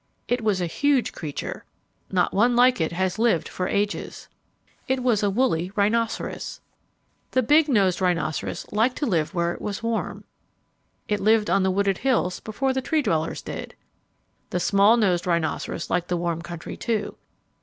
It was a huge creature. Not one like it has lived for ages. It was a woolly rhinoceros. The big nosed rhinoceros liked to live where it was warm. It lived on the wooded hills before the Tree dwellers did. The small nosed rhinoceros liked the warm country, too.